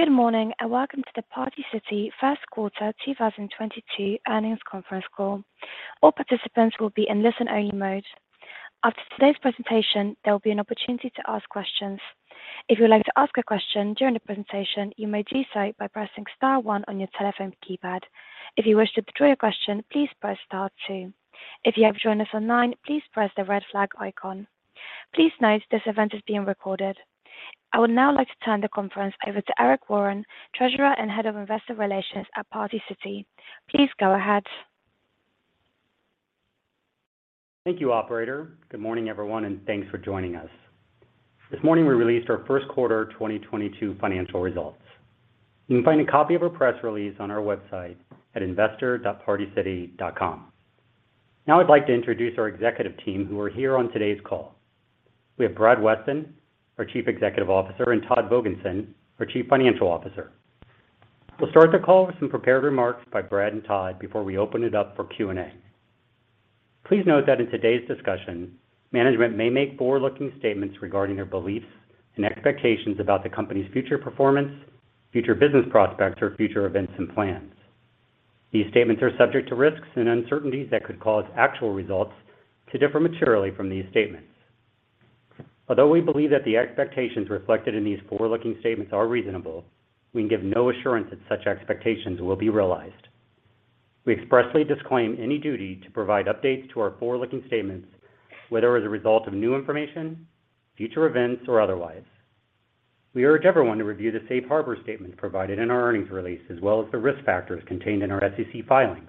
Good morning, and welcome to the Party City first quarter 2022 earnings conference call. All participants will be in listen-only mode. After today's presentation, there will be an opportunity to ask questions. If you would like to ask a question during the presentation, you may do so by pressing star one on your telephone keypad. If you wish to withdraw your question, please press star two. If you have joined us online, please press the red flag icon. Please note this event is being recorded. I would now like to turn the conference over to Eric Warren, Treasurer and Head of Investor Relations at Party City. Please go ahead. Thank you, operator. Good morning, everyone, and thanks for joining us. This morning, we released our first quarter 2022 financial results. You can find a copy of our press release on our website at investor.partycity.com. Now I'd like to introduce our executive team who are here on today's call. We have Brad Weston, our Chief Executive Officer, and Todd Vogensen, our Chief Financial Officer. We'll start the call with some prepared remarks by Brad and Todd before we open it up for Q&A. Please note that in today's discussion, management may make forward-looking statements regarding their beliefs and expectations about the company's future performance, future business prospects, or future events and plans. These statements are subject to risks and uncertainties that could cause actual results to differ materially from these statements. Although we believe that the expectations reflected in these forward-looking statements are reasonable, we can give no assurance that such expectations will be realized. We expressly disclaim any duty to provide updates to our forward-looking statements, whether as a result of new information, future events, or otherwise. We urge everyone to review the safe harbor statement provided in our earnings release, as well as the risk factors contained in our SEC filings.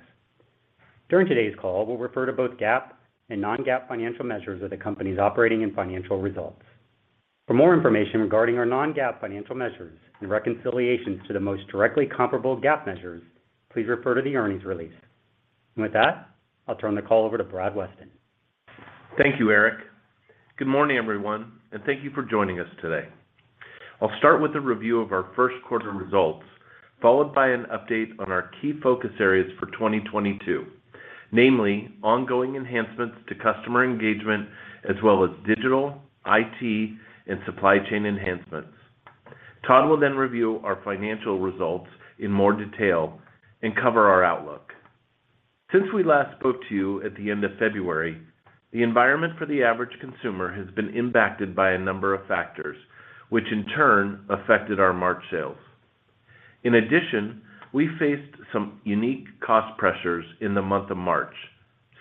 During today's call, we'll refer to both GAAP and Non-GAAP financial measures of the company's operating and financial results. For more information regarding our Non-GAAP financial measures and reconciliations to the most directly comparable GAAP measures, please refer to the earnings release. With that, I'll turn the call over to Brad Weston. Thank you, Eric. Good morning, everyone, and thank you for joining us today. I'll start with a review of our first quarter results, followed by an update on our key focus areas for 2022, namely ongoing enhancements to customer engagement, as well as digital, Information Technology, and supply chain enhancements. Todd will then review our financial results in more detail and cover our outlook. Since we last spoke to you at the end of February, the environment for the average consumer has been impacted by a number of factors, which in turn affected our March sales. In addition, we faced some unique cost pressures in the month of March,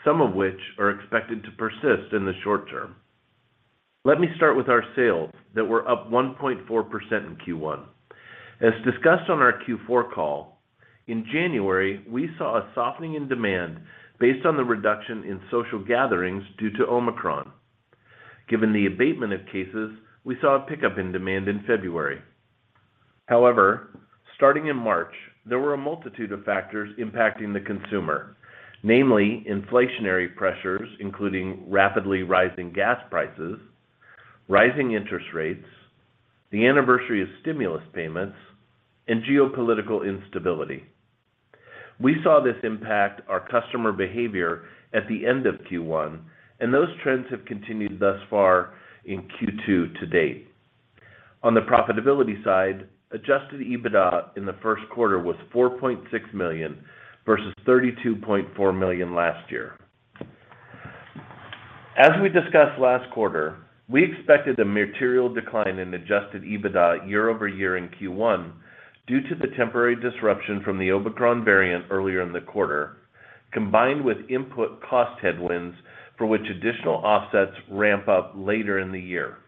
some of which are expected to persist in the short term. Let me start with our sales that were up 1.4% in Q1. As discussed on our Q4 call, in January, we saw a softening in demand based on the reduction in social gatherings due to Omicron. Given the abatement of cases, we saw a pickup in demand in February. However, starting in March, there were a multitude of factors impacting the consumer, namely inflationary pressures, including rapidly rising gas prices, rising interest rates, the anniversary of stimulus payments, and geopolitical instability. We saw this impact our customer behavior at the end of Q1, and those trends have continued thus far in Q2 to date. On the profitability side, adjusted EBITDA in the first quarter was $4.6 million versus $32.4 million last year. As we discussed last quarter, we expected a material decline in adjusted EBITDA year-over-year in Q1 due to the temporary disruption from the Omicron variant earlier in the quarter, combined with input cost headwinds for which additional offsets ramp up later in the year.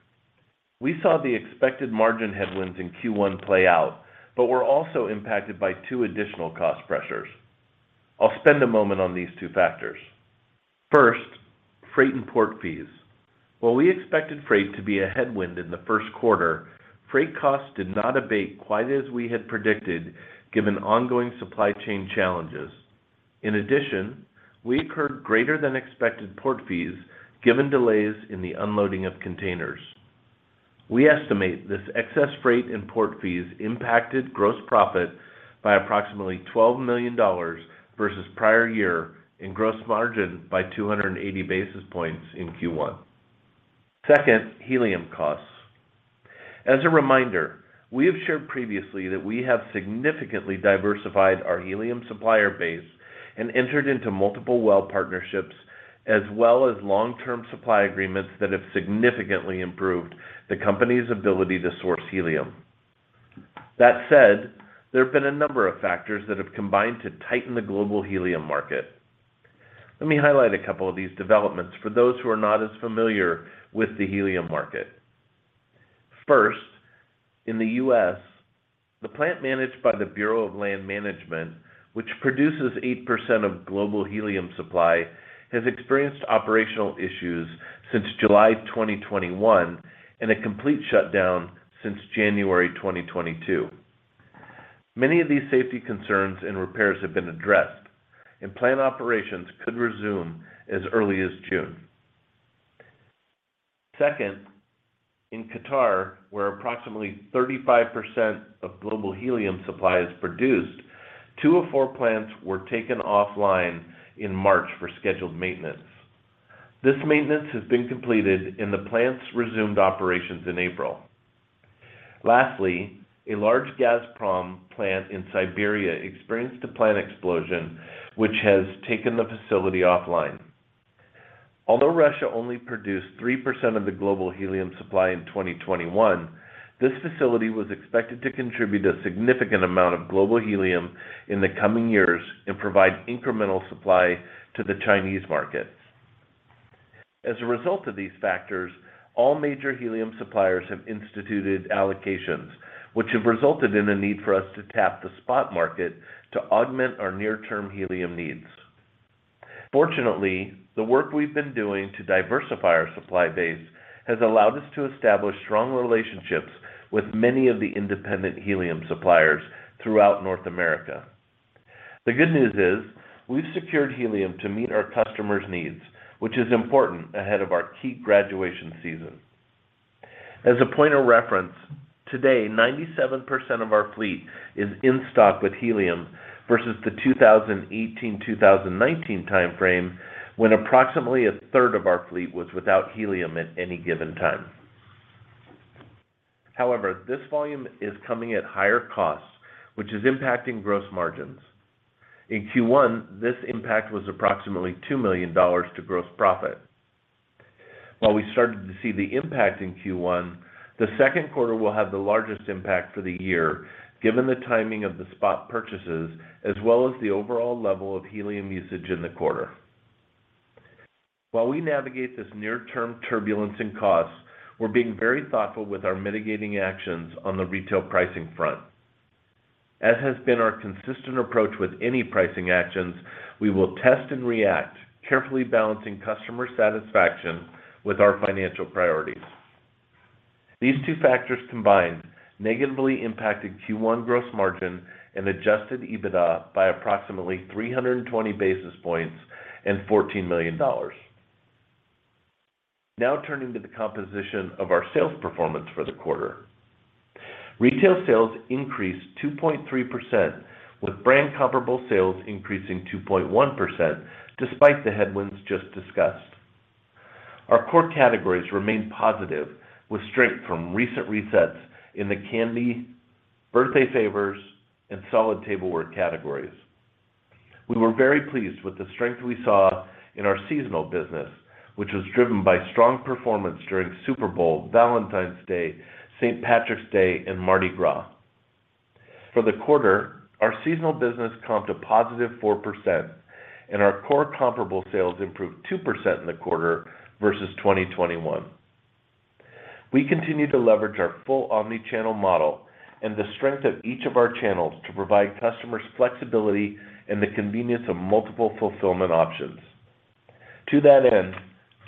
We saw the expected margin headwinds in Q1 play out, but were also impacted by two additional cost pressures. I'll spend a moment on these two factors. First, freight and port fees. While we expected freight to be a headwind in the first quarter, freight costs did not abate quite as we had predicted given ongoing supply chain challenges. In addition, we incurred greater than expected port fees given delays in the unloading of containers. We estimate this excess freight and port fees impacted gross profit by approximately $12 million versus prior year and gross margin by 280 basis points in Q1. Second, helium costs. As a reminder, we have shared previously that we have significantly diversified our helium supplier base and entered into multiple well partnerships as well as long-term supply agreements that have significantly improved the company's ability to source helium. That said, there have been a number of factors that have combined to tighten the global helium market. Let me highlight a couple of these developments for those who are not as familiar with the helium market. First, in the U.S., the plant managed by the Bureau of Land Management, which produces 8% of global helium supply, has experienced operational issues since July 2021 and a complete shutdown since January 2022. Many of these safety concerns and repairs have been addressed, and plant operations could resume as early as June. Second, in Qatar, where approximately 35% of global helium supply is produced, two of four plants were taken offline in March for scheduled maintenance. This maintenance has been completed and the plants resumed operations in April. Lastly, a large Gazprom plant in Siberia experienced a plant explosion which has taken the facility offline. Although Russia only produced 3% of the global helium supply in 2021, this facility was expected to contribute a significant amount of global helium in the coming years and provide incremental supply to the Chinese market. As a result of these factors, all major helium suppliers have instituted allocations, which have resulted in a need for us to tap the spot market to augment our near-term helium needs. Fortunately, the work we've been doing to diversify our supply base has allowed us to establish strong relationships with many of the independent helium suppliers throughout North America. The good news is we've secured helium to meet our customers' needs, which is important ahead of our key graduation season. As a point of reference, today, 97% of our fleet is in stock with helium versus the 2018, 2019 timeframe when approximately a third of our fleet was without helium at any given time. However, this volume is coming at higher costs, which is impacting gross margins. In Q1, this impact was approximately $2 million to gross profit. While we started to see the impact in Q1, the second quarter will have the largest impact for the year given the timing of the spot purchases as well as the overall level of helium usage in the quarter. While we navigate this near-term turbulence in costs, we're being very thoughtful with our mitigating actions on the retail pricing front. As has been our consistent approach with any pricing actions, we will test and react, carefully balancing customer satisfaction with our financial priorities. These two factors combined negatively impacted Q1 gross margin and adjusted EBITDA by approximately 320 basis points and $14 million. Now turning to the composition of our sales performance for the quarter. Retail sales increased 2.3%, with brand comparable sales increasing 2.1% despite the headwinds just discussed. Our core categories remained positive with strength from recent resets in the candy, birthday favors, and solid tableware categories. We were very pleased with the strength we saw in our seasonal business, which was driven by strong performance during Super Bowl, Valentine's Day, St. Patrick's Day, and Mardi Gras. For the quarter, our seasonal business comped a positive 4% and our core comparable sales improved 2% in the quarter versus 2021. We continue to leverage our full omni-channel model and the strength of each of our channels to provide customers flexibility and the convenience of multiple fulfillment options. To that end,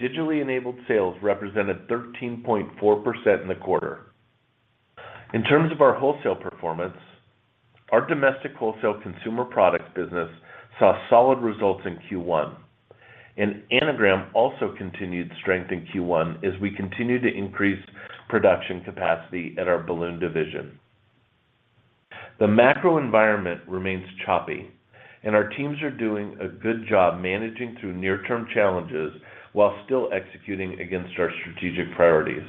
digitally enabled sales represented 13.4% in the quarter. In terms of our wholesale performance, our domestic wholesale consumer products business saw solid results in Q1, and Anagram also continued strength in Q1 as we continue to increase production capacity at our balloon division. The macro environment remains choppy, and our teams are doing a good job managing through near-term challenges while still executing against our strategic priorities.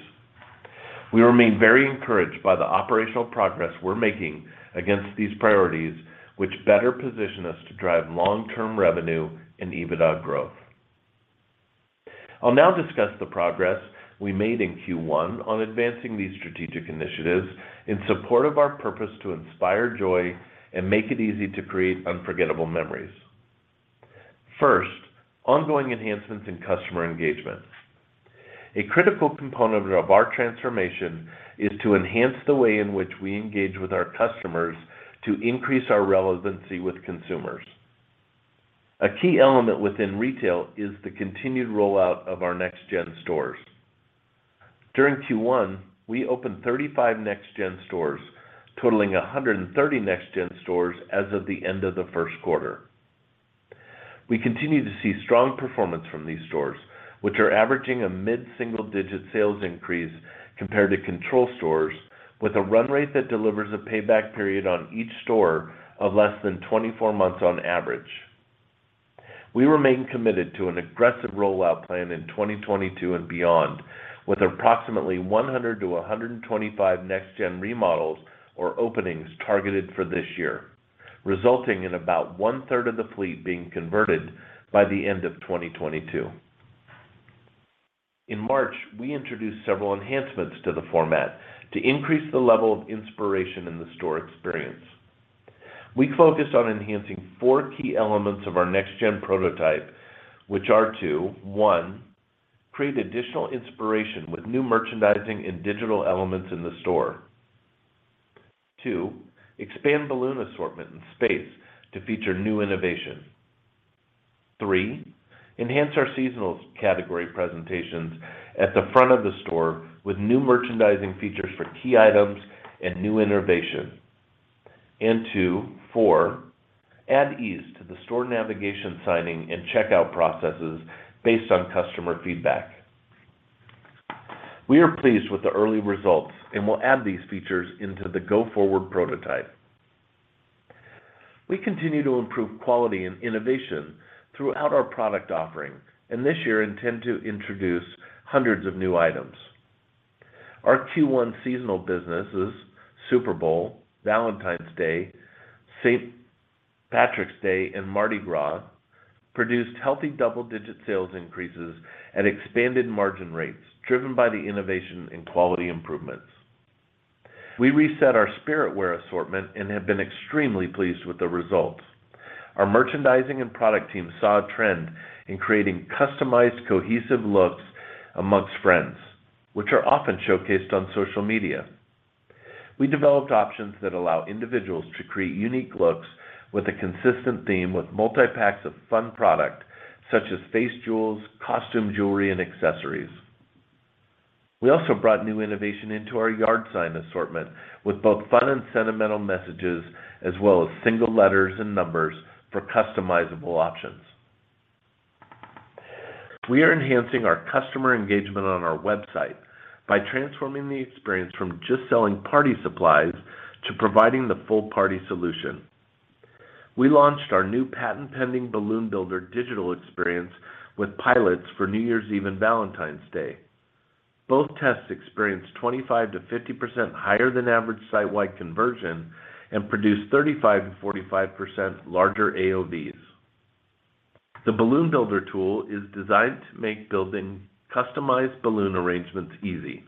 We remain very encouraged by the operational progress we're making against these priorities, which better position us to drive long-term revenue and EBITDA growth. I'll now discuss the progress we made in Q1 on advancing these strategic initiatives in support of our purpose to inspire joy and make it easy to create unforgettable memories. First, ongoing enhancements in customer engagement. A critical component of our transformation is to enhance the way in which we engage with our customers to increase our relevancy with consumers. A key element within retail is the continued rollout of our next-gen stores. During Q1, we opened 35 next-gen stores, totaling 130 next-gen stores as of the end of the first quarter. We continue to see strong performance from these stores, which are averaging a mid-single-digit sales increase compared to control stores with a run rate that delivers a payback period on each store of less than 24 months on average. We remain committed to an aggressive rollout plan in 2022 and beyond, with approximately 100-125 next-gen remodels or openings targeted for this year, resulting in about 1/3 of the fleet being converted by the end of 2022. In March, we introduced several enhancements to the format to increase the level of inspiration in the store experience. We focused on enhancing four key elements of our next-gen prototype, which are to, one, create additional inspiration with new merchandising and digital elements in the store. Two, expand balloon assortment and space to feature new innovation. Three, enhance our seasonal category presentations at the front of the store with new merchandising features for key items and new innovation. Four, add ease to the store navigation signage and checkout processes based on customer feedback. We are pleased with the early results and will add these features into the go-forward prototype. We continue to improve quality and innovation throughout our product offering, and this year intend to introduce hundreds of new items. Our Q1 seasonal businesses, Super Bowl, Valentine's Day, St. Patrick's Day, and Mardi Gras, produced healthy double-digit sales increases and expanded margin rates, driven by the innovation in quality improvements. We reset our spirit wear assortment and have been extremely pleased with the results. Our merchandising and product team saw a trend in creating customized, cohesive looks among friends, which are often showcased on social media. We developed options that allow individuals to create unique looks with a consistent theme with multi-packs of fun product, such as face jewels, costume jewelry, and accessories. We also brought new innovation into our yard sign assortment with both fun and sentimental messages, as well as single letters and numbers for customizable options. We are enhancing our customer engagement on our website by transforming the experience from just selling party supplies to providing the full party solution. We launched our new patent-pending Balloon Builder digital experience with pilots for New Year's Eve and Valentine's Day. Both tests experienced 25%-50% higher than average site-wide conversion and produced 35%-45% larger AOVs. The Balloon Builder tool is designed to make building customized balloon arrangements easy.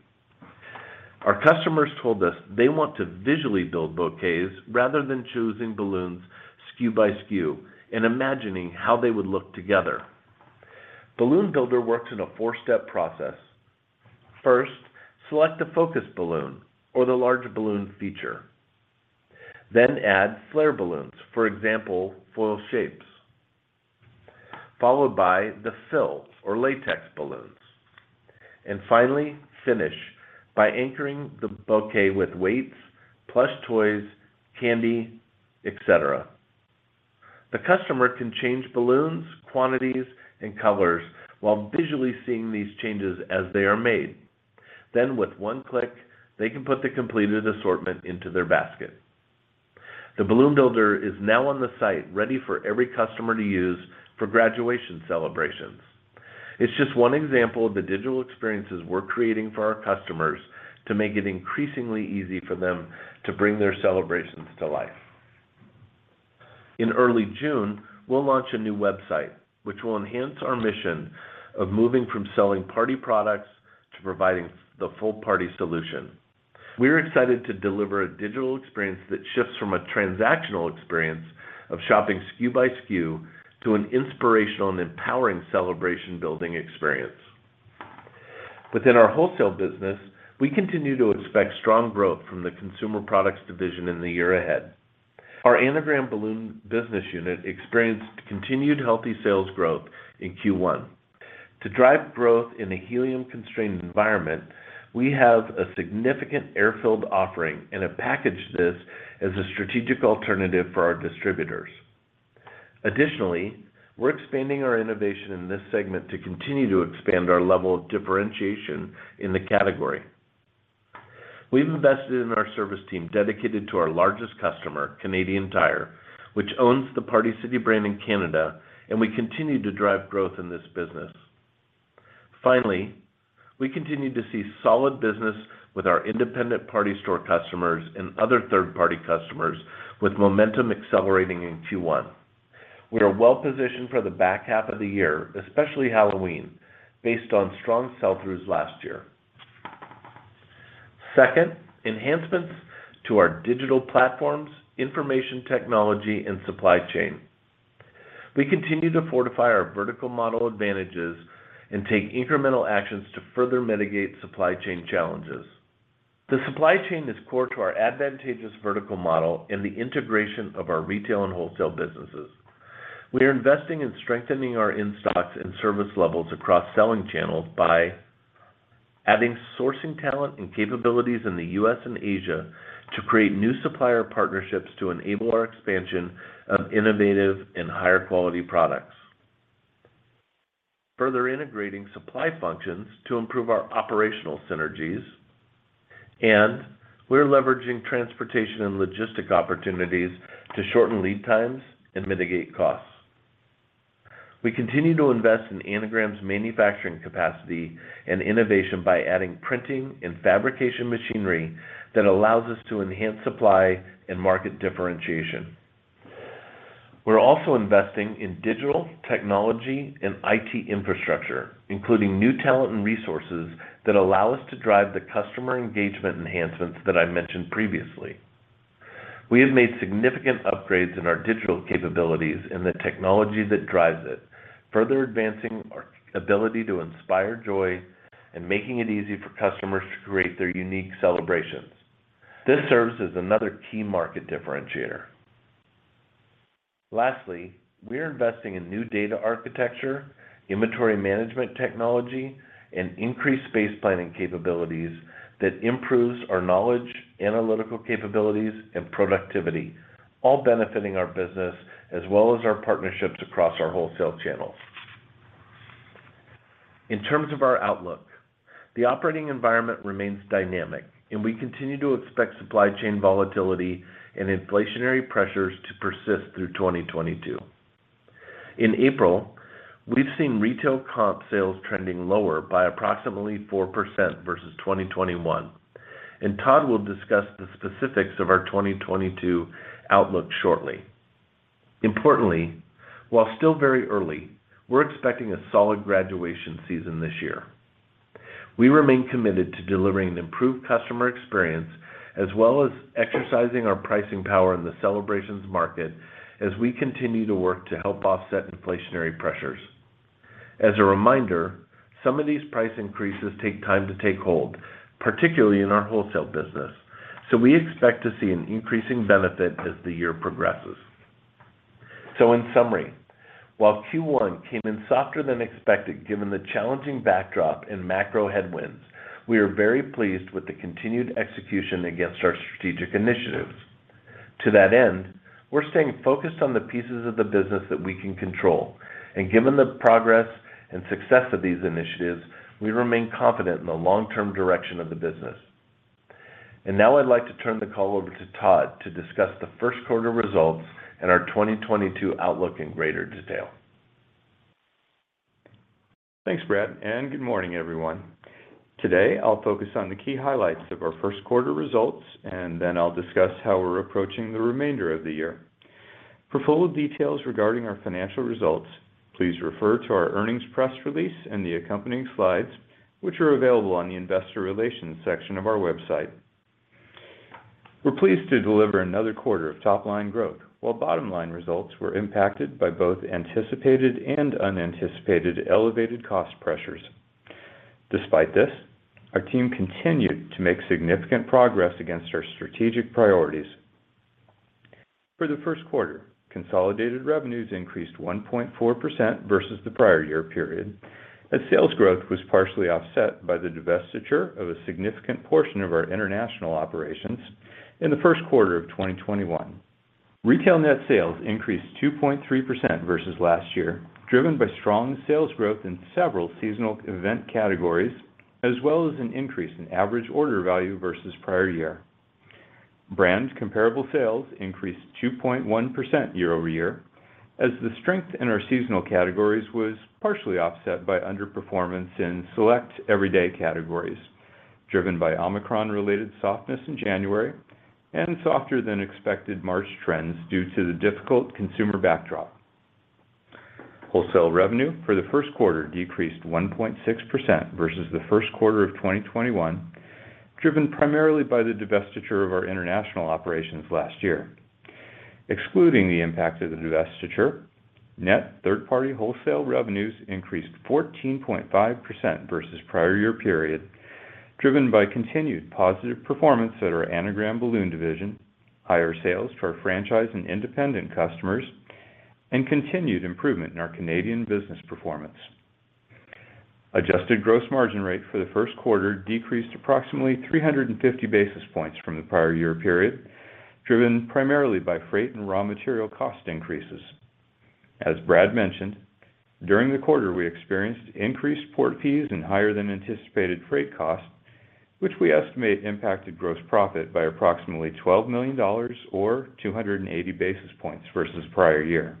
Our customers told us they want to visually build bouquets rather than choosing balloons SKU by SKU and imagining how they would look together. Balloon Builder works in a four-step process. First, select the focus balloon or the larger balloon feature. Add flare balloons, for example, foil shapes, followed by the fill or latex balloons. Finally, finish by anchoring the bouquet with weights, plush toys, candy, et cetera. The customer can change balloons, quantities, and colors while visually seeing these changes as they are made. With one click, they can put the completed assortment into their basket. The Balloon Builder is now on the site ready for every customer to use for graduation celebrations. It's just one example of the digital experiences we're creating for our customers to make it increasingly easy for them to bring their celebrations to life. In early June, we'll launch a new website, which will enhance our mission of moving from selling party products to providing the full party solution. We're excited to deliver a digital experience that shifts from a transactional experience of shopping SKU by SKU to an inspirational and empowering celebration-building experience. Within our wholesale business, we continue to expect strong growth from the consumer products division in the year ahead. Our Anagram Balloon business unit experienced continued healthy sales growth in Q1. To drive growth in a helium-constrained environment, we have a significant air-filled offering and have packaged this as a strategic alternative for our distributors. Additionally, we're expanding our innovation in this segment to continue to expand our level of differentiation in the category. We've invested in our service team dedicated to our largest customer, Canadian Tire, which owns the Party City brand in Canada, and we continue to drive growth in this business. Finally, we continue to see solid business with our independent party store customers and other third-party customers with momentum accelerating in Q1. We are well-positioned for the back half of the year, especially Halloween, based on strong sell-throughs last year. Second, enhancements to our digital platforms, information technology, and supply chain. We continue to fortify our vertical model advantages and take incremental actions to further mitigate supply chain challenges. The supply chain is core to our advantageous vertical model and the integration of our retail and wholesale businesses. We are investing in strengthening our in-stocks and service levels across selling channels by adding sourcing talent and capabilities in the U.S. and Asia to create new supplier partnerships to enable our expansion of innovative and higher-quality products, further integrating supply functions to improve our operational synergies, and we're leveraging transportation and logistics opportunities to shorten lead times and mitigate costs. We continue to invest in Anagram's manufacturing capacity and innovation by adding printing and fabrication machinery that allows us to enhance supply and market differentiation. We're also investing in digital technology and IT infrastructure, including new talent and resources that allow us to drive the customer engagement enhancements that I mentioned previously. We have made significant upgrades in our digital capabilities and the technology that drives it, further advancing our ability to inspire joy and making it easy for customers to create their unique celebrations. This serves as another key market differentiator. Lastly, we are investing in new data architecture, inventory management technology, and increased space planning capabilities that improves our knowledge, analytical capabilities, and productivity, all benefiting our business as well as our partnerships across our wholesale channels. In terms of our outlook, the operating environment remains dynamic, and we continue to expect supply chain volatility and inflationary pressures to persist through 2022. In April, we've seen retail comp sales trending lower by approximately 4% versus 2021, and Todd will discuss the specifics of our 2022 outlook shortly. Importantly, while still very early, we're expecting a solid graduation season this year. We remain committed to delivering an improved customer experience as well as exercising our pricing power in the celebrations market as we continue to work to help offset inflationary pressures. As a reminder, some of these price increases take time to take hold, particularly in our wholesale business, so we expect to see an increasing benefit as the year progresses. In summary, while Q1 came in softer than expected given the challenging backdrop and macro headwinds, we are very pleased with the continued execution against our strategic initiatives. To that end, we're staying focused on the pieces of the business that we can control, and given the progress and success of these initiatives, we remain confident in the long-term direction of the business. Now I'd like to turn the call over to Todd to discuss the first quarter results and our 2022 outlook in greater detail. Thanks, Brad, and good morning, everyone. Today, I'll focus on the key highlights of our first quarter results, and then I'll discuss how we're approaching the remainder of the year. For full details regarding our financial results, please refer to our earnings press release and the accompanying slides, which are available on the Investor Relations section of our website. We're pleased to deliver another quarter of top-line growth, while bottom-line results were impacted by both anticipated and unanticipated elevated cost pressures. Despite this, our team continued to make significant progress against our strategic priorities. For the first quarter, consolidated revenues increased 1.4% versus the prior year period, as sales growth was partially offset by the divestiture of a significant portion of our international operations in the first quarter of 2021. Retail net sales increased 2.3% versus last year, driven by strong sales growth in several seasonal event categories, as well as an increase in average order value versus prior year. Brand comparable sales increased 2.1% year-over-year, as the strength in our seasonal categories was partially offset by underperformance in select everyday categories, driven by Omicron-related softness in January and softer-than-expected March trends due to the difficult consumer backdrop. Wholesale revenue for the first quarter decreased 1.6% versus the first quarter of 2021, driven primarily by the divestiture of our international operations last year. Excluding the impact of the divestiture, net third-party wholesale revenues increased 14.5% versus prior year period, driven by continued positive performance at our Anagram Balloon division, higher sales to our franchise and independent customers, and continued improvement in our Canadian business performance. Adjusted gross margin rate for the first quarter decreased approximately 350 basis points from the prior year period, driven primarily by freight and raw material cost increases. As Brad mentioned, during the quarter, we experienced increased port fees and higher-than-anticipated freight costs, which we estimate impacted gross profit by approximately $12 million or 280 basis points versus prior year.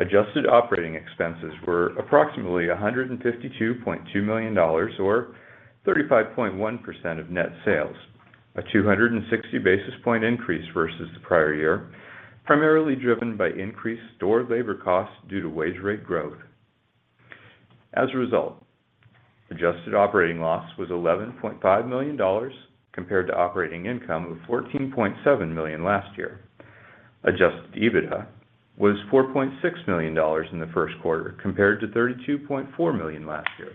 Adjusted operating expenses were approximately $152.2 million or 35.1% of net sales, a 260 basis point increase versus the prior year, primarily driven by increased store labor costs due to wage rate growth. As a result, adjusted operating loss was $11.5 million compared to operating income of $14.7 million last year. Adjusted EBITDA was $4.6 million in the first quarter compared to $32.4 million last year.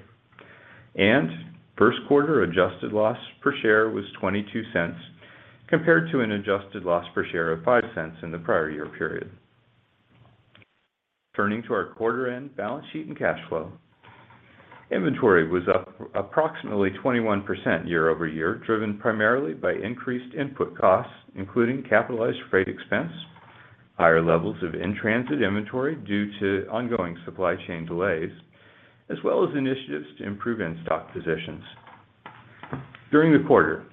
First quarter adjusted loss per share was $0.22 compared to an adjusted loss per share of $0.05 in the prior year period. Turning to our quarter-end balance sheet and cash flow, inventory was up approximately 21% year-over-year, driven primarily by increased input costs, including capitalized freight expense, higher levels of in-transit inventory due to ongoing supply chain delays, as well as initiatives to improve in-stock positions. During the quarter,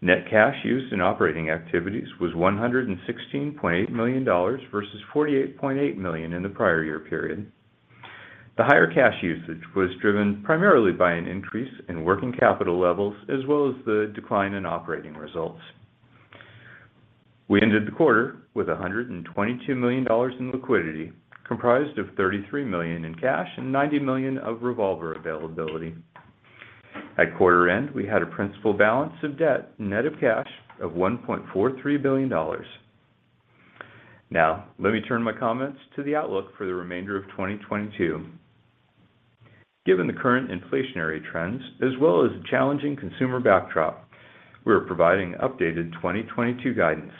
net cash use in operating activities was $116.8 million versus $48.8 million in the prior year period. The higher cash usage was driven primarily by an increase in working capital levels as well as the decline in operating results. We ended the quarter with $122 million in liquidity, comprised of $33 million in cash and $90 million of revolver availability. At quarter-end, we had a principal balance of debt, net of cash, of $1.43 billion. Now, let me turn my comments to the outlook for the remainder of 2022. Given the current inflationary trends as well as a challenging consumer backdrop, we are providing updated 2022 guidance.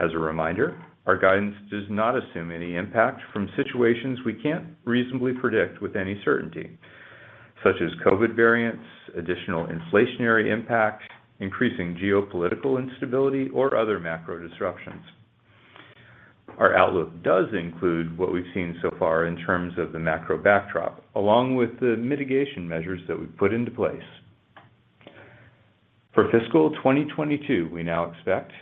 As a reminder, our guidance does not assume any impact from situations we can't reasonably predict with any certainty, such as COVID variants, additional inflationary impact, increasing geopolitical instability, or other macro disruptions. Our outlook does include what we've seen so far in terms of the macro backdrop, along with the mitigation measures that we've put into place. For fiscal 2022, we now expect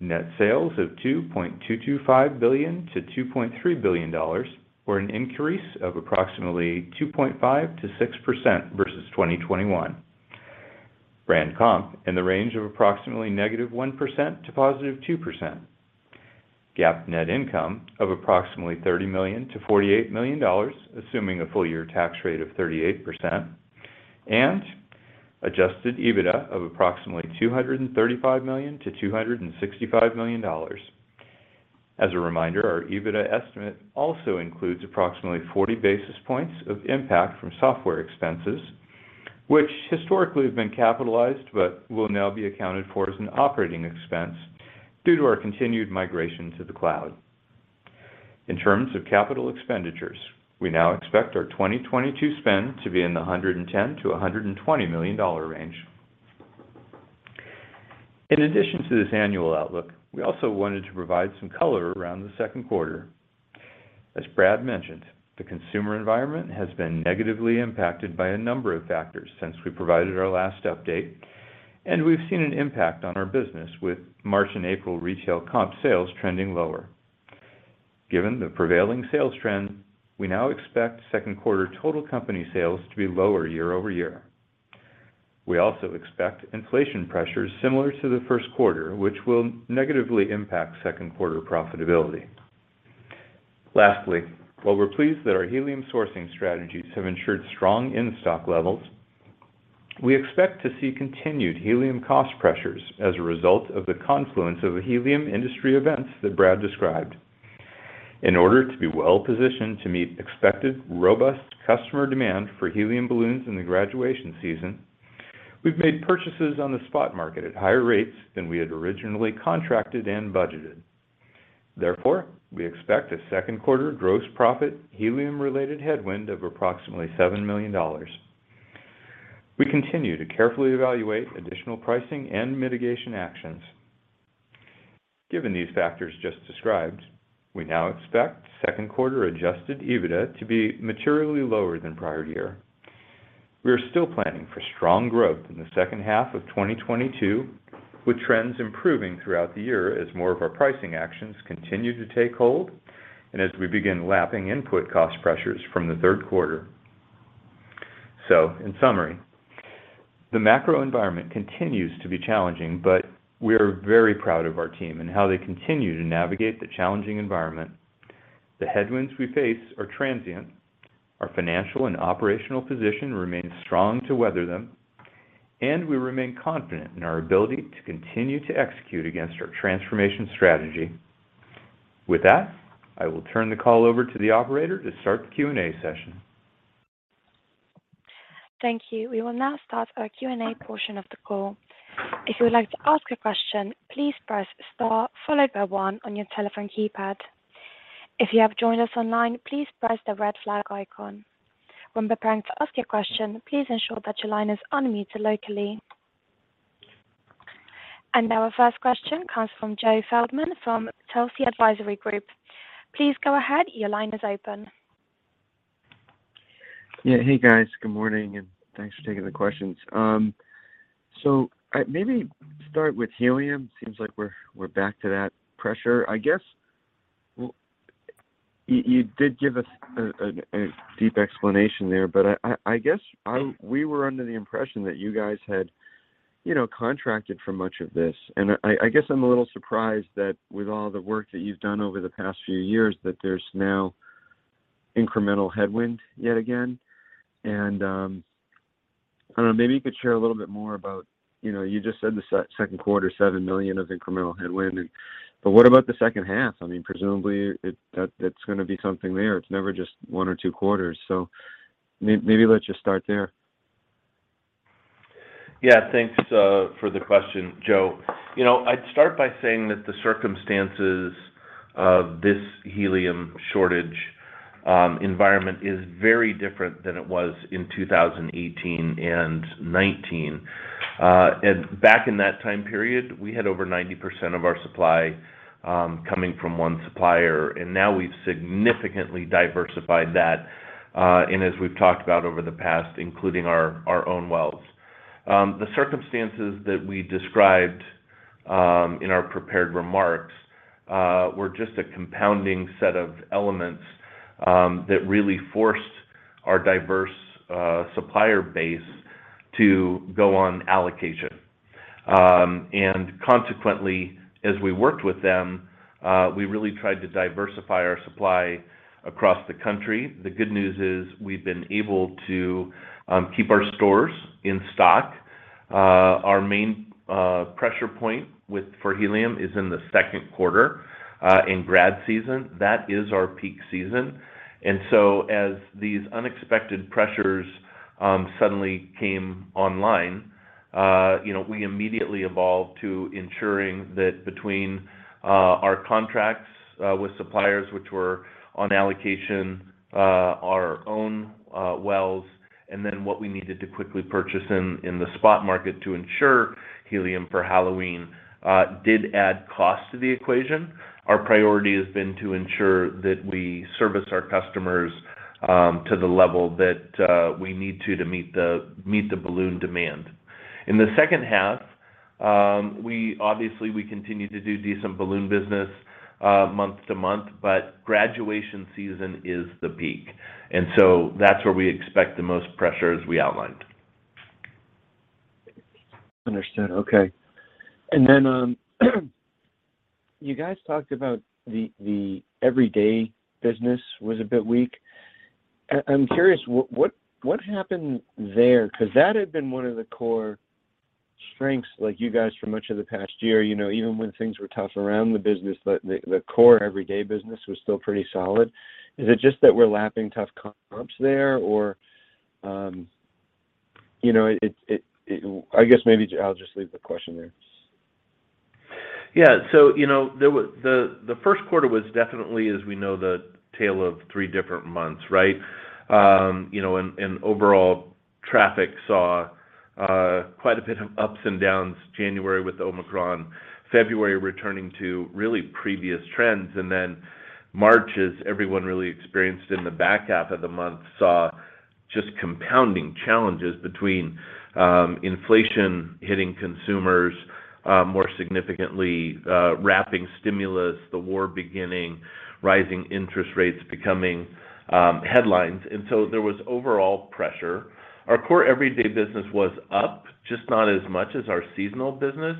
net sales of $2.225 billion-$2.3 billion, or an increase of approximately 2.5%-6% versus 2021. Brand comp in the range of approximately -1% to +2%. GAAP net income of approximately $30 million-$48 million, assuming a full year tax rate of 38%. Adjusted EBITDA of approximately $235 million-$265 million. As a reminder, our EBITDA estimate also includes approximately 40 basis points of impact from software expenses, which historically have been capitalized but will now be accounted for as an operating expense due to our continued migration to the cloud. In terms of capital expenditures, we now expect our 2022 spend to be in the $110 million-$120 million range. In addition to this annual outlook, we also wanted to provide some color around the second quarter. As Brad mentioned, the consumer environment has been negatively impacted by a number of factors since we provided our last update, and we've seen an impact on our business with March and April retail comp sales trending lower. Given the prevailing sales trends, we now expect second quarter total company sales to be lower year-over-year. We also expect inflation pressures similar to the first quarter, which will negatively impact second quarter profitability. Lastly, while we're pleased that our helium sourcing strategies have ensured strong in-stock levels, we expect to see continued helium cost pressures as a result of the confluence of the helium industry events that Brad described. In order to be well-positioned to meet expected robust customer demand for helium balloons in the graduation season, we've made purchases on the spot market at higher rates than we had originally contracted and budgeted. Therefore, we expect a second quarter gross profit helium-related headwind of approximately $7 million. We continue to carefully evaluate additional pricing and mitigation actions. Given these factors just described, we now expect second quarter adjusted EBITDA to be materially lower than prior year. We are still planning for strong growth in the second half of 2022, with trends improving throughout the year as more of our pricing actions continue to take hold and as we begin lapping input cost pressures from the third quarter. In summary, the macro environment continues to be challenging, but we are very proud of our team and how they continue to navigate the challenging environment. The headwinds we face are transient. Our financial and operational position remains strong to weather them, and we remain confident in our ability to continue to execute against our transformation strategy. With that, I will turn the call over to the operator to start the Q&A session. Thank you. We will now start our Q&A portion of the call. If you would like to ask a question, please press star followed by one on your telephone keypad. If you have joined us online, please press the red flag icon. When preparing to ask your question, please ensure that your line is unmuted locally. Our first question comes from Joe Feldman from Telsey Advisory Group. Please go ahead. Your line is open. Yeah. Hey, guys. Good morning, and thanks for taking the questions. Maybe start with helium. Seems like we're back to that pressure. I guess you did give us a deep explanation there, but I guess we were under the impression that you guys had, you know, contracted for much of this. I guess I'm a little surprised that with all the work that you've done over the past few years, that there's now incremental headwind yet again. I don't know, maybe you could share a little bit more about, you know, you just said the second quarter, $7 million of incremental headwind. What about the second half? I mean, presumably that's gonna be something there. It's never just one or two quarters. Maybe let's just start there. Yeah, thanks for the question, Joe. You know, I'd start by saying that the circumstances of this helium shortage environment is very different than it was in 2018 and 2019. Back in that time period, we had over 90% of our supply coming from one supplier, and now we've significantly diversified that, and as we've talked about over the past, including our own wells. The circumstances that we described in our prepared remarks were just a compounding set of elements that really forced our diverse supplier base to go on allocation. Consequently, as we worked with them, we really tried to diversify our supply across the country. The good news is we've been able to keep our stores in stock. Our main pressure point for helium is in the second quarter, in grad season. That is our peak season. As these unexpected pressures suddenly came online. You know, we immediately evolved to ensuring that between our contracts with suppliers, which were on allocation, our own wells, and then what we needed to quickly purchase in the spot market to ensure helium for Halloween, did add cost to the equation. Our priority has been to ensure that we service our customers to the level that we need to meet the balloon demand. In the second half, obviously, we continue to do decent balloon business month to month, but graduation season is the peak. That's where we expect the most pressure as we outlined. Understood. Okay. You guys talked about the everyday business was a bit weak. I'm curious, what happened there? 'Cause that had been one of the core strengths, like, you guys for much of the past year, you know, even when things were tough around the business, the core everyday business was still pretty solid. Is it just that we're lapping tough comps there? Or, you know, I guess maybe I'll just leave the question there. Yeah. So, you know, the first quarter was definitely, as we know, the tale of three different months, right? You know, overall traffic saw quite a bit of ups and downs, January with Omicron, February returning to really previous trends, and then March, as everyone really experienced in the back half of the month, saw just compounding challenges between inflation hitting consumers more significantly, wrapping stimulus, the war beginning, rising interest rates becoming headlines. There was overall pressure. Our core everyday business was up, just not as much as our seasonal business.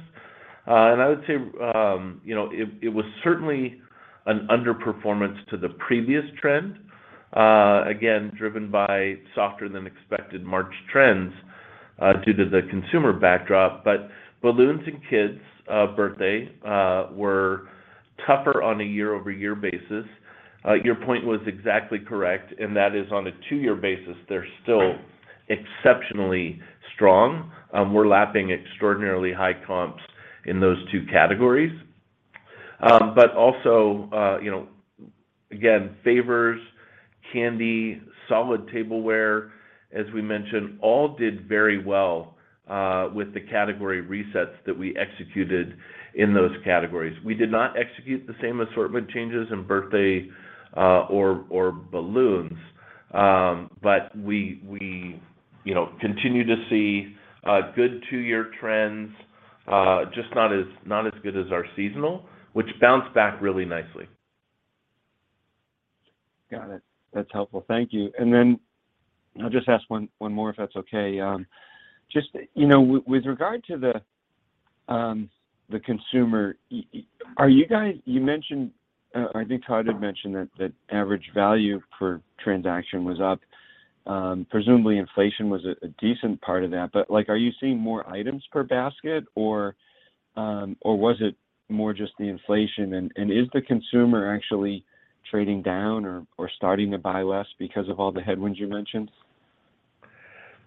I would say, you know, it was certainly an underperformance to the previous trend, again, driven by softer than expected March trends, due to the consumer backdrop. Balloons and kids' birthday were tougher on a year-over-year basis. Your point was exactly correct, and that is on a two-year basis, they're still exceptionally strong. We're lapping extraordinarily high comps in those two categories. But also, you know, again, favors, candy, solid tableware, as we mentioned, all did very well with the category resets that we executed in those categories. We did not execute the same assortment changes in birthday or balloons. We, you know, continue to see good two-year trends, just not as good as our seasonal, which bounced back really nicely. Got it. That's helpful. Thank you. I'll just ask one more if that's okay. Just, you know, with regard to the consumer, are you guys. You mentioned, I think Todd had mentioned that average value per transaction was up. Presumably inflation was a decent part of that. Like, are you seeing more items per basket or was it more just the inflation? Is the consumer actually trading down or starting to buy less because of all the headwinds you mentioned?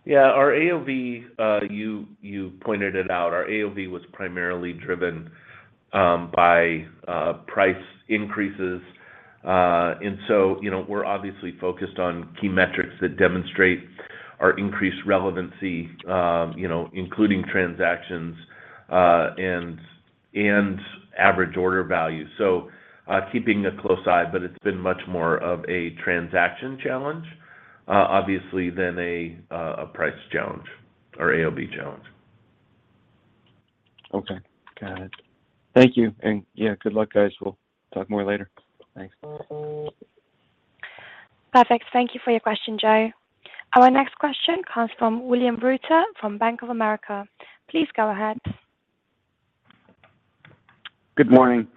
Yeah. Our AOV, you pointed it out, our AOV was primarily driven by price increases. You know, we're obviously focused on key metrics that demonstrate our increased relevancy, you know, including transactions and average order value. Keeping a close eye, but it's been much more of a transaction challenge, obviously, than a price challenge or AOV challenge. Okay. Got it. Thank you. Yeah, good luck, guys. We'll talk more later. Thanks. Perfect. Thank you for your question, Joe. Our next question comes from William Reuter from Bank of America. Please go ahead. Good morning.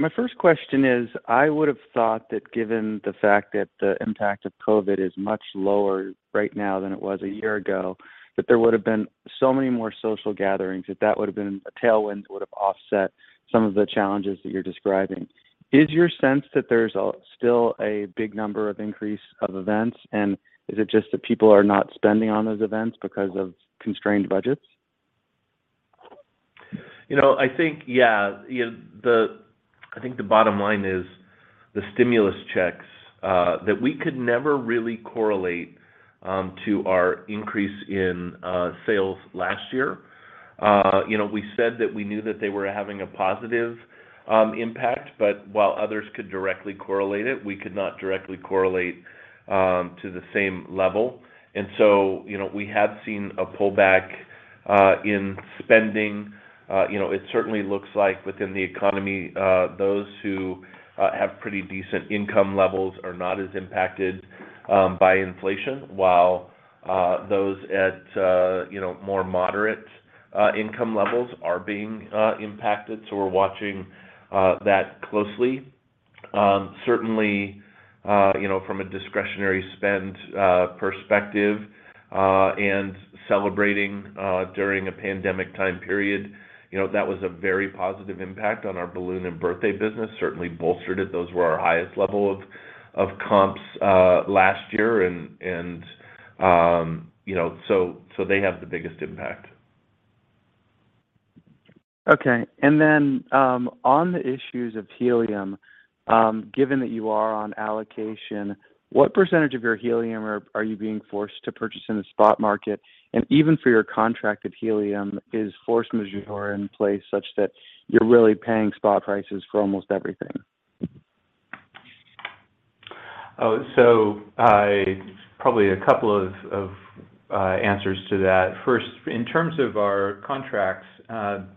My first question is, I would have thought that given the fact that the impact of COVID is much lower right now than it was a year ago, that there would have been so many more social gatherings, that that would have been a tailwind that would have offset some of the challenges that you're describing. Is your sense that there's still a big increase in the number of events, and is it just that people are not spending on those events because of constrained budgets? You know, I think, yeah. You know, I think the bottom line is the stimulus checks that we could never really correlate to our increase in sales last year. You know, we said that we knew that they were having a positive impact, but while others could directly correlate it, we could not directly correlate to the same level. You know, we have seen a pullback in spending. You know, it certainly looks like within the economy, those who have pretty decent income levels are not as impacted by inflation, while those at, you know, more moderate income levels are being impacted. We're watching that closely. Certainly, you know, from a discretionary spend perspective, and celebrating during a pandemic time period, you know, that was a very positive impact on our balloon and birthday business. Certainly bolstered it. Those were our highest level of comps last year and, you know, so they have the biggest impact. Okay. On the issues of helium, given that you are on allocation, what percentage of your helium are you being forced to purchase in the spot market? Even for your contracted helium, is force majeure in place such that you're really paying spot prices for almost everything? Probably a couple of answers to that. First, in terms of our contracts, the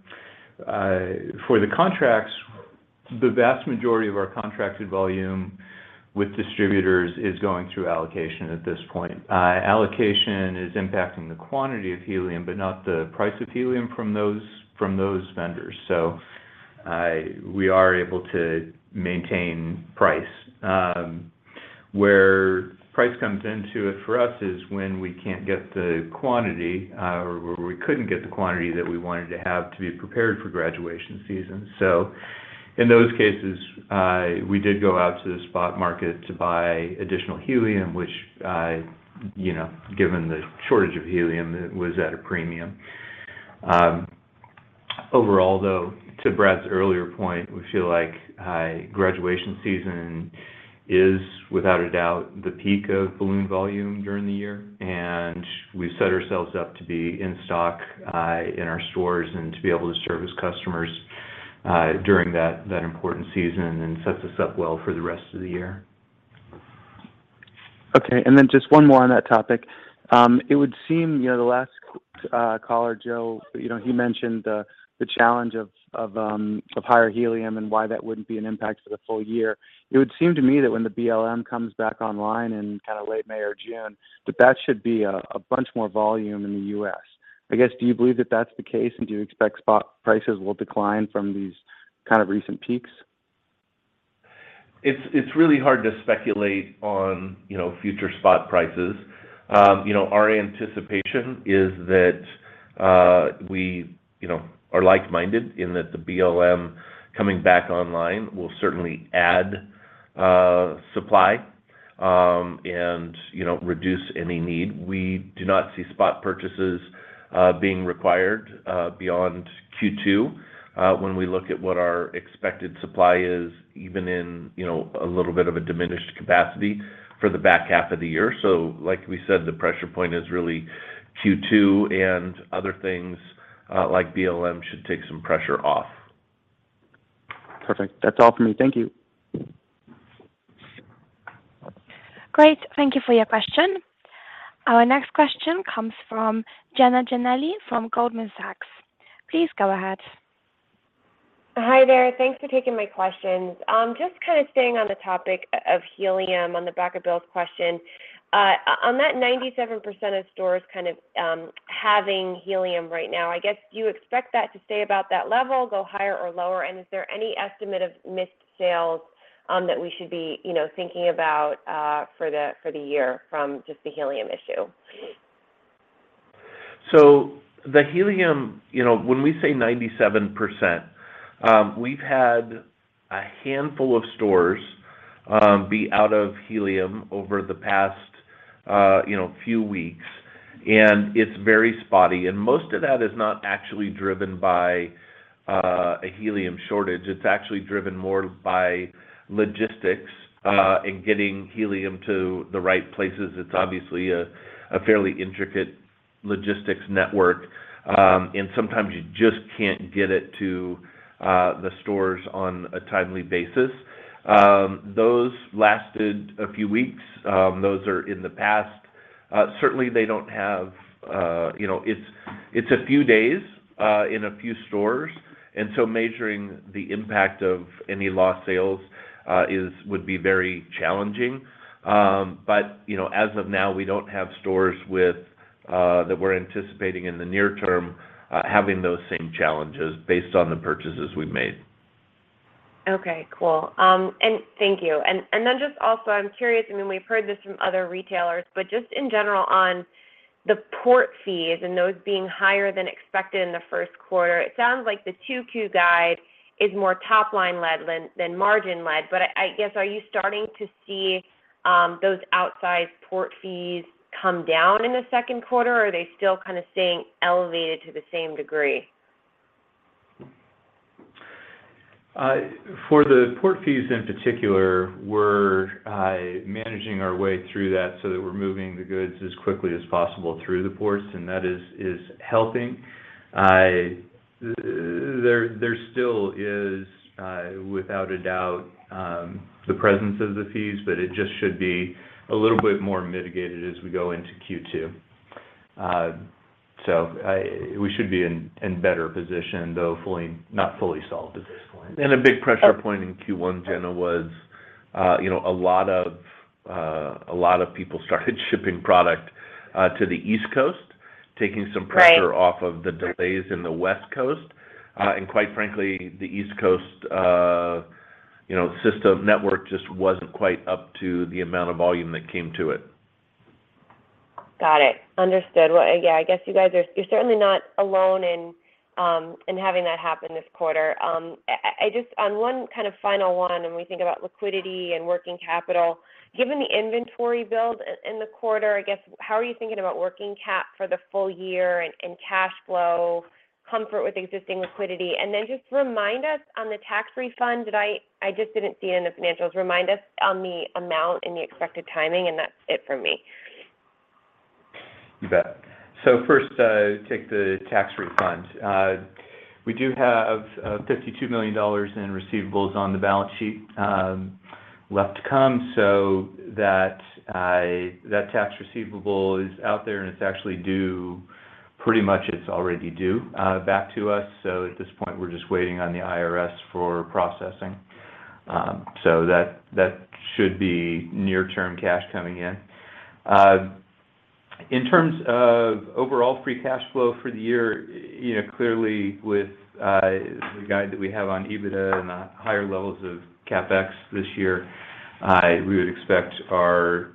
vast majority of our contracted volume with distributors is going through allocation at this point. Allocation is impacting the quantity of helium, but not the price of helium from those vendors. We are able to maintain price. Where price comes into it for us is when we can't get the quantity, or where we couldn't get the quantity that we wanted to have to be prepared for graduation season. In those cases, we did go out to the spot market to buy additional helium, which, you know, given the shortage of helium, it was at a premium. Overall, though, to Brad's earlier point, we feel like graduation season is without a doubt the peak of balloon volume during the year, and we set ourselves up to be in stock in our stores and to be able to service customers during that important season and sets us up well for the rest of the year. Okay. Then just one more on that topic. It would seem, you know, the last caller, Joe, you know, he mentioned the challenge of higher helium and why that wouldn't be an impact for the full year. It would seem to me that when the BLM comes back online in kind of late May or June, that should be a bunch more volume in the U.S. I guess, do you believe that that's the case, and do you expect spot prices will decline from these kind of recent peaks? It's really hard to speculate on, you know, future spot prices. You know, our anticipation is that we, you know, are like-minded in that the BLM coming back online will certainly add supply, and, you know, reduce any need. We do not see spot purchases being required beyond Q2 when we look at what our expected supply is, even in, you know, a little bit of a diminished capacity for the back half of the year. Like we said, the pressure point is really Q2 and other things like BLM should take some pressure off. Perfect. That's all for me. Thank you. Great. Thank you for your question. Our next question comes from Jenna Giannelli from Goldman Sachs. Please go ahead. Hi there. Thanks for taking my questions. Just kind of staying on the topic of helium on the back of Bill's question. On that 97% of stores kind of having helium right now, I guess, do you expect that to stay about that level, go higher or lower? Is there any estimate of missed sales that we should be, you know, thinking about for the year from just the helium issue? The helium, you know, when we say 97%, we've had a handful of stores be out of helium over the past, you know, few weeks, and it's very spotty. Most of that is not actually driven by a helium shortage. It's actually driven more by logistics and getting helium to the right places. It's obviously a fairly intricate logistics network, and sometimes you just can't get it to the stores on a timely basis. Those lasted a few weeks. Those are in the past. Certainly they don't have, you know, it's a few days in a few stores, and so measuring the impact of any lost sales would be very challenging. You know, as of now, we don't have stores that we're anticipating in the near term having those same challenges based on the purchases we've made. Okay, cool. Thank you. Then just also, I'm curious, I mean, we've heard this from other retailers, but just in general on the port fees and those being higher than expected in the first quarter. It sounds like the 2Q guide is more top-line led than margin led. I guess, are you starting to see those outsized port fees come down in the second quarter, or are they still kind of staying elevated to the same degree? For the port fees in particular, we're managing our way through that so that we're moving the goods as quickly as possible through the ports, and that is helping. There still is, without a doubt, the presence of the fees, but it just should be a little bit more mitigated as we go into Q2. We should be in better position, though not fully solved at this point. A big pressure point in Q1, Jenna, was, you know, a lot of people started shipping product to the East Coast, taking some pressure- Right off of the delays in the West Coast. Quite frankly, the East Coast, you know, system network just wasn't quite up to the amount of volume that came to it. Got it. Understood. Well, yeah, I guess you're certainly not alone in having that happen this quarter. I just want one kind of final one, when we think about liquidity and working capital, given the inventory build in the quarter, I guess, how are you thinking about working cap for the full year and cash flow comfort with existing liquidity? Just remind us on the tax refund that I just didn't see it in the financials. Remind us on the amount and the expected timing, and that's it for me. You bet. First, take the tax refund. We do have $52 million in receivables on the balance sheet left to come, so that tax receivable is out there, and it's actually due. Pretty much it's already due back to us, so at this point we're just waiting on the IRS for processing. That should be near-term cash coming in. In terms of overall free cash flow for the year, you know, clearly with the guide that we have on EBITDA and the higher levels of CapEx this year, we would expect our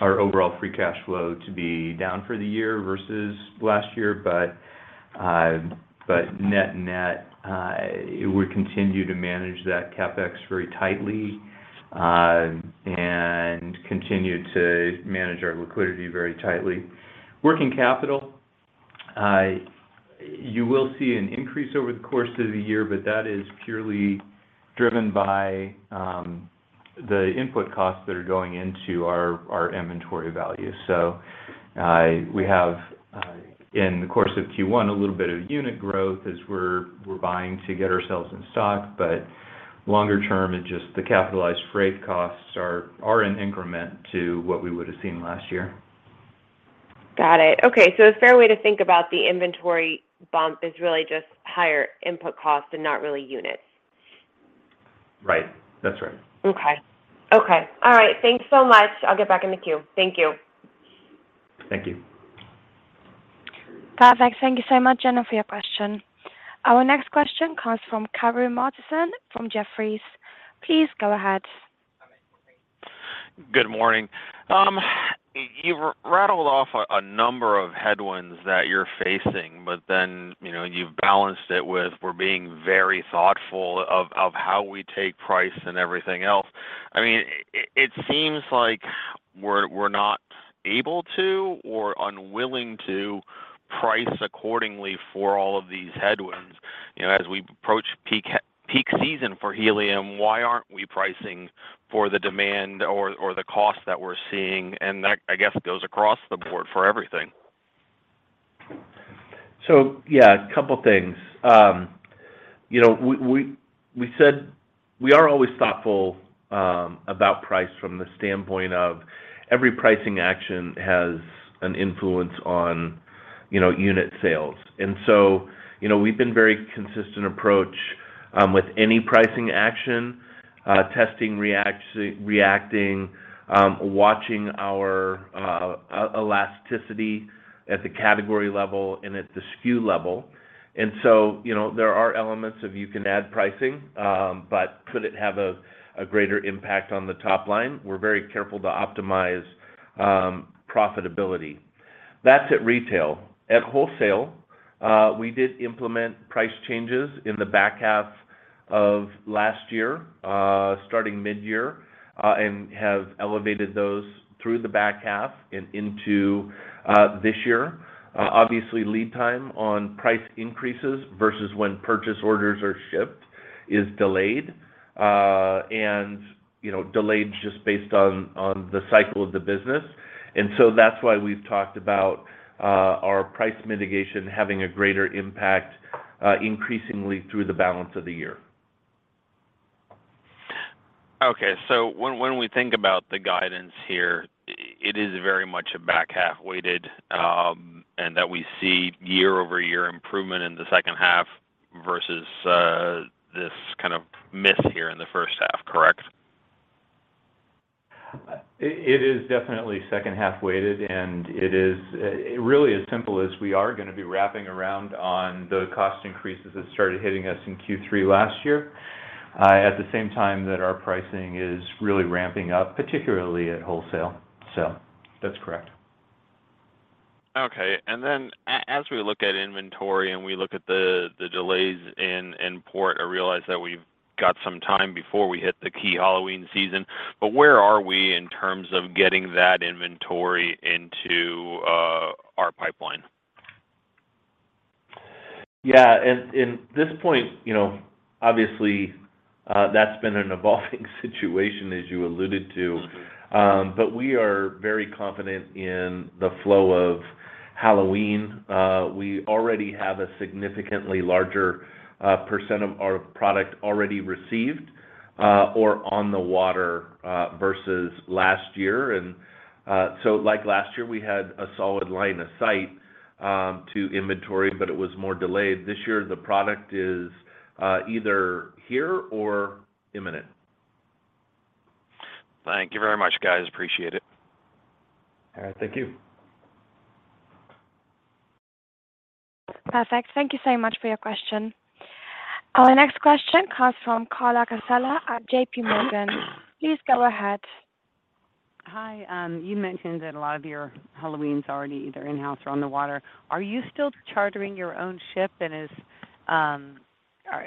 overall free cash flow to be down for the year versus last year. Net-net, we continue to manage that CapEx very tightly, and continue to manage our liquidity very tightly. Working capital, you will see an increase over the course of the year, but that is purely driven by the input costs that are going into our inventory value. We have in the course of Q1 a little bit of unit growth as we're buying to get ourselves in stock, but longer term it's just the capitalized freight costs are an increment to what we would have seen last year. Got it. Okay. A fair way to think about the inventory bump is really just higher input cost and not really units. Right. That's right. Okay. All right. Thanks so much. I'll get back in the queue. Thank you. Thank you. Perfect. Thank you so much, Jenna, for your question. Our next question comes from Karru Martinson from Jefferies. Please go ahead. Good morning. You rattled off a number of headwinds that you're facing, but then, you know, you've balanced it with, "We're being very thoughtful of how we take price and everything else." I mean, it seems like we're not able to or unwilling to price accordingly for all of these headwinds. You know, as we approach peak season for helium, why aren't we pricing for the demand or the cost that we're seeing? That, I guess, goes across the board for everything. Yeah, a couple things. You know, we said we are always thoughtful about price from the standpoint of every pricing action has an influence on, you know, unit sales. You know, we've been very consistent approach with any pricing action, testing reacting, watching our elasticity at the category level and at the SKU level. You know, there are elements of you can add pricing, but could it have a greater impact on the top line? We're very careful to optimize profitability. That's at retail. At wholesale, we did implement price changes in the back half of last year, starting mid-year, and have elevated those through the back half and into this year. Obviously lead time on price increases versus when purchase orders are shipped is delayed, and you know, delayed just based on the cycle of the business. That's why we've talked about our price mitigation having a greater impact increasingly through the balance of the year. When we think about the guidance here, it is very much a back half weighted, and that we see year-over-year improvement in the second half versus this kind of miss here in the first half, correct? It is definitely second half weighted, and it is really as simple as we are gonna be wrapping around on the cost increases that started hitting us in Q3 last year, at the same time that our pricing is really ramping up, particularly at wholesale. So that's correct. Okay. As we look at inventory and we look at the delays in port, I realize that we've got some time before we hit the key Halloween season, but where are we in terms of getting that inventory into our pipeline? Yeah. At this point, you know, obviously, that's been an evolving situation, as you alluded to. Mm-hmm. We are very confident in the flow of Halloween. We already have a significantly larger percent of our product already received or on the water versus last year. Like last year, we had a solid line of sight to inventory, but it was more delayed. This year, the product is either here or imminent. Thank you very much, guys. Appreciate it. All right. Thank you. Perfect. Thank you so much for your question. Our next question comes from Carla Casella at JPMorgan. Please go ahead. Hi. You mentioned that a lot of your Halloween's already either in-house or on the water. Are you still chartering your own ship, and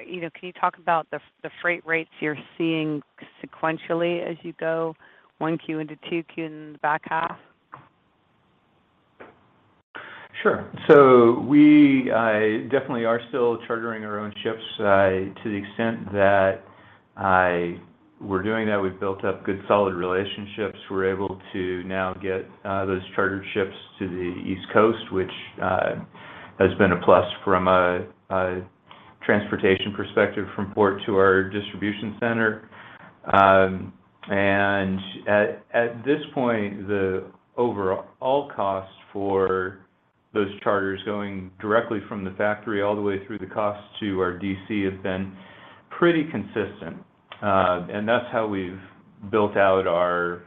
you know, can you talk about the freight rates you're seeing sequentially as you go 1Q into 2Q in the back half? Sure. We definitely are still chartering our own ships to the extent that we're doing that. We've built up good, solid relationships. We're able to now get those chartered ships to the East Coast, which has been a plus from a transportation perspective from port to our distribution center. At this point, the overall cost for those charters going directly from the factory all the way through the cost to our DC has been pretty consistent. That's how we've built out our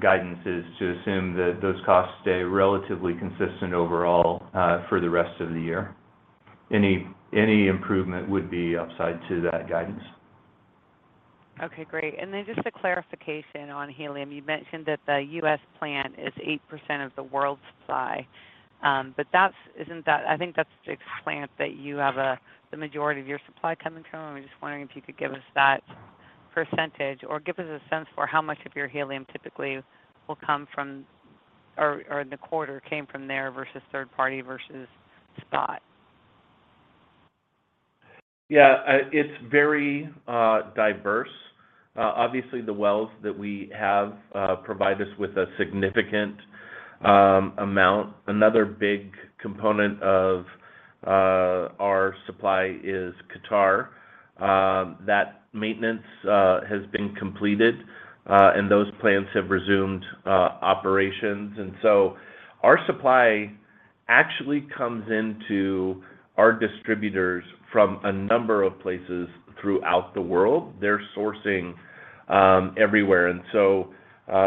guidances to assume that those costs stay relatively consistent overall for the rest of the year. Any improvement would be upside to that guidance. Okay, great. Just a clarification on helium. You mentioned that the U.S. plant is 8% of the world's supply, but that's. Isn't that the plant that you have the majority of your supply coming from. I'm just wondering if you could give us that percentage or give us a sense for how much of your helium typically will come from or in the quarter came from there versus third party versus spot. Yeah. It's very diverse. Obviously the wells that we have provide us with a significant amount. Another big component of our supply is Qatar. That maintenance has been completed, and those plants have resumed operations. Our supply actually comes into our distributors from a number of places throughout the world. They're sourcing everywhere.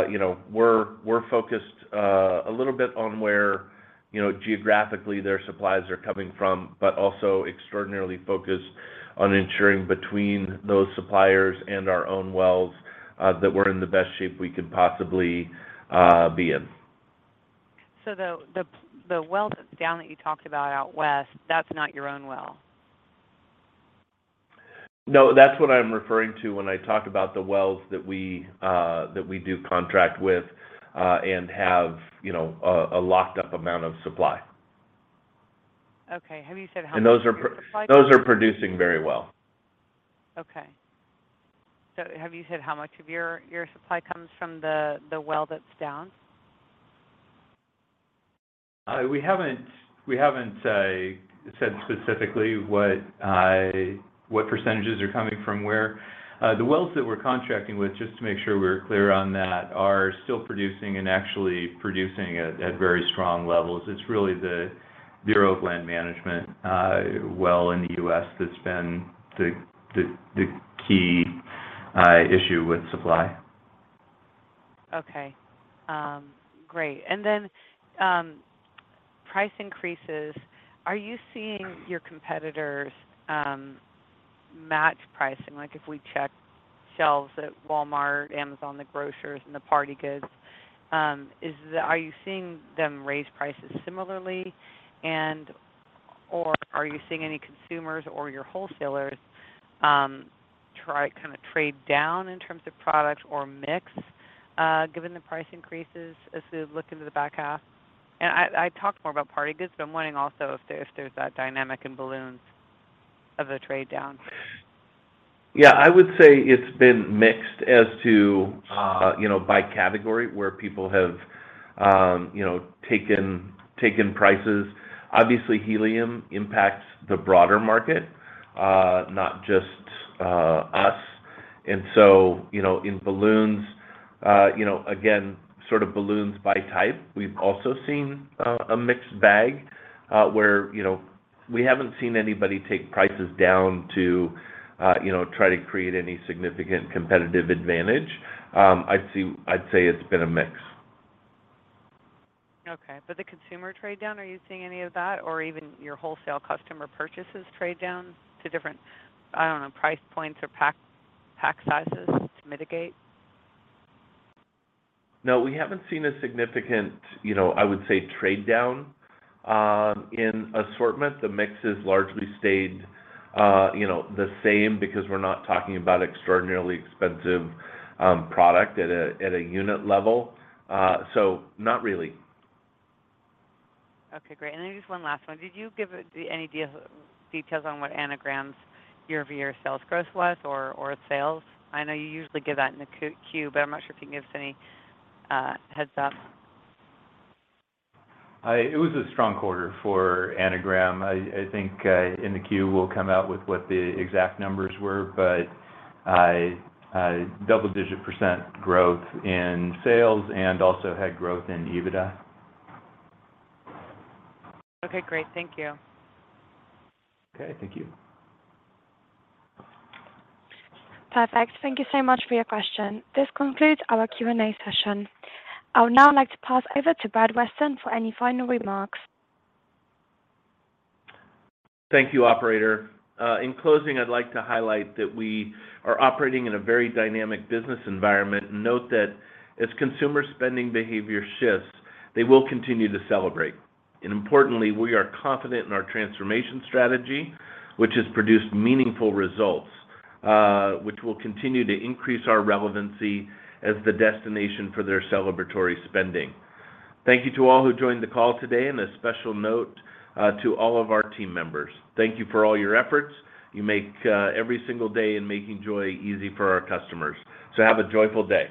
You know, we're focused a little bit on where, you know, geographically their supplies are coming from, but also extraordinarily focused on ensuring between those suppliers and our own wells that we're in the best shape we could possibly be in. The well that's down that you talked about out west, that's not your own well? No, that's what I'm referring to when I talk about the wells that we do contract with and have, you know, a locked up amount of supply. Okay. Have you said how much of your supply comes? Those are producing very well. Okay. Have you said how much of your supply comes from the well that's down? We haven't said specifically what percentages are coming from where. The wells that we're contracting with, just to make sure we're clear on that, are still producing and actually producing at very strong levels. It's really the Bureau of Land Management well in the U.S. that's been the key issue with supply. Okay. Great. Then, price increases—are you seeing your competitors match pricing? Like, if we check shelves at Walmart, Amazon, the grocers, and the party goods, are you seeing them raise prices similarly, or are you seeing any consumers or your wholesalers try to kinda trade down in terms of products or mix, given the price increases as we look into the back half? I talked more about party goods, but I'm wondering also if there's that dynamic in balloons of the trade down. Yeah. I would say it's been mixed as to, you know, by category where people have taken prices. Obviously, helium impacts the broader market, not just us. You know, in balloons, you know, again, sort of balloons by type. We've also seen a mixed bag, where, you know, we haven't seen anybody take prices down to, you know, try to create any significant competitive advantage. I'd say it's been a mix. Okay. The consumer trade down, are you seeing any of that or even your wholesale customer purchases trade down to different, I don't know, price points or pack sizes to mitigate? No, we haven't seen a significant, you know, I would say trade down in assortment. The mix has largely stayed, you know, the same because we're not talking about extraordinarily expensive product at a unit level. Not really. Okay, great. Just one last one. Did you give any details on what Anagram's year-over-year sales growth was or sales? I know you usually give that in the Q, but I'm not sure if you can give us any heads up. It was a strong quarter for Anagram. I think in the Q we'll come out with what the exact numbers were, but double-digit % growth in sales and also had growth in EBITDA. Okay, great. Thank you. Okay, thank you. Perfect. Thank you so much for your question. This concludes our Q&A session. I would now like to pass over to Brad Weston for any final remarks. Thank you, operator. In closing, I'd like to highlight that we are operating in a very dynamic business environment. Note that as consumer spending behavior shifts, they will continue to celebrate. Importantly, we are confident in our transformation strategy, which has produced meaningful results, which will continue to increase our relevancy as the destination for their celebratory spending. Thank you to all who joined the call today, and a special note to all of our team members. Thank you for all your efforts you make every single day in making joy easy for our customers. Have a joyful day.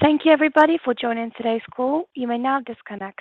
Thank you, everybody, for joining today's call. You may now disconnect.